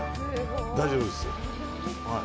大丈夫ですよ。